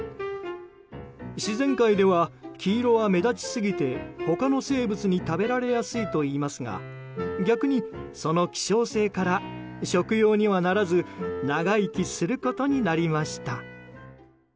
自然界では黄色は目立ちすぎて他の生物に食べられやすいといいますが逆にその希少性から食用にはならず長生きすることになりました。